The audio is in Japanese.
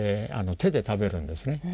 手で食べるんですね。